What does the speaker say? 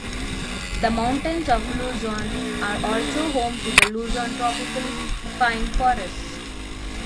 The mountains of Luzon are also home to the Luzon tropical pine forests.